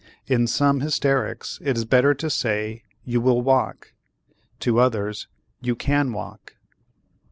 To some hysterics, it is better to say: "You will walk," to others, "You can walk."